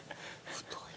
太い！？